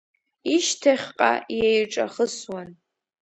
Ишьҭахьҟа иеиҿахысуан.